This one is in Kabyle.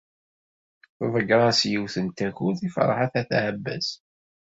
Tḍeyyer-as yiwet n takurt i Ferḥat n At Ɛebbas.